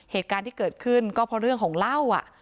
เหตุการณ์ที่เกิดขึ้นก็เพราะเรื่องของเหล้า